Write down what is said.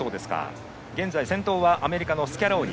現在、先頭はアメリカのスキャローニ。